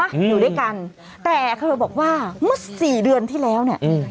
อยู่ด้วยกันแต่เธอบอกว่าเมื่อสี่เดือนที่แล้วเนี้ยอืม